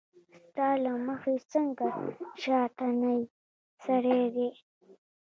ستا له مخې څنګه شانتې سړی دی